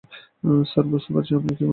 Sir, বুঝতে পারছি আপনি কি মাধ্যমে যাচ্ছেন।